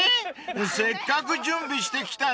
せっかく準備してきたのに］